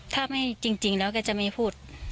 ถ้าไม่จริงแล้วก็จะไม่พูด